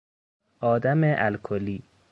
آدم الکلی